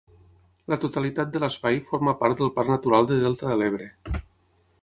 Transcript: La totalitat de l’espai forma part del Parc Natural de Delta de l’Ebre.